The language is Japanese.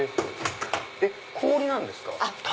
氷なんですか？